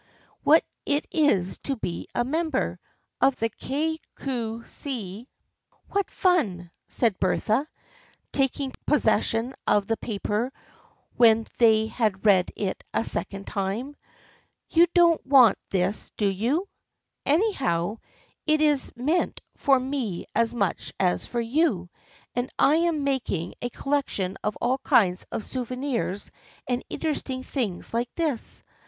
What it is to be a member Of the Kay Cue See." " What fun !" said Bertha, taking possession of the paper when they had read it a second time. "You don't want this, do you? Anyhow, it is meant for me as much as for you, and I am mak ing a collection of all kinds of souvenirs and in teresting things like this.